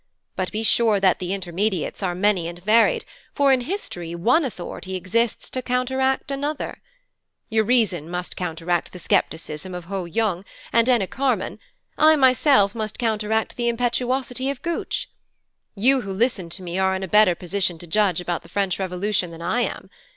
But be sure that the intermediates are many and varied, for in history one authority exists to counteract another. Urizen must counteract the scepticism of Ho Yung and Enicharmon, I must myself counteract the impetuosity of Gutch. You who listen to me are in a better position to judge about the French Revolution than I am.